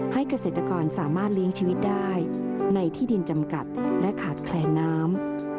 เกษตรกรสามารถเลี้ยงชีวิตได้ในที่ดินจำกัดและขาดแคลนน้ำ